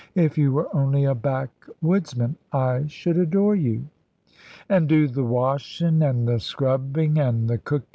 If you were only a backwoodsman I should adore you." "An' do the washin', an' the scrubbing and the cookin'?